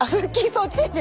そっちね。